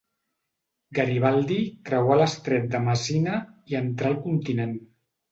Garibaldi creuà l'Estret de Messina i entrà al continent.